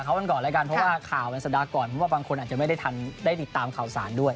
ในโรงเรียนฝึกหัดของสมมุติสอนต่างมากมาย